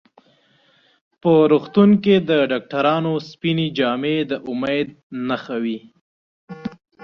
په روغتون کې د ډاکټرانو سپینې جامې د امید نښه وي.